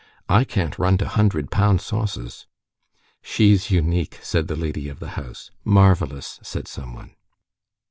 I can't run to hundred pound sauces." "She's unique!" said the lady of the house. "Marvelous!" said someone.